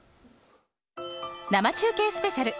生中継スペシャル！